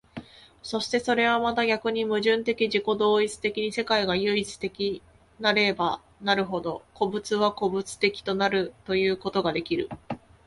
そしてそれはまた逆に矛盾的自己同一的に世界が唯一的なればなるほど、個物は個物的となるということができる。